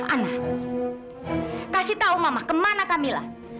anak kasih tau mama kemana kamilah